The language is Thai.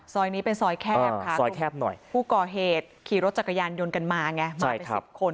ซอยนี้เป็นซอยแคบค่ะผู้ก่อเหตุขี่รถจักรยานยนต์กันมาไงมาไป๑๐คน